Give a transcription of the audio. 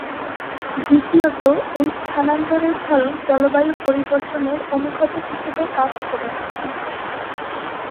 দ্বিতীয়ত, এই স্থানান্তরের ধরন জলবায়ু পরিবর্তনের অনুঘটক হিসেবে কাজ করেছে।